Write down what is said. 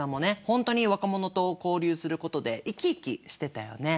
本当に若者と交流することで生き生きしてたよね。